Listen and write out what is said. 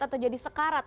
atau jadi sekarat